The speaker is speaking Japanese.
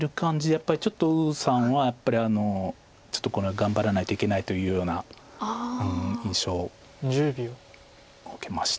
やっぱり呉さんはちょっとこれは頑張らないといけないというような印象を受けました。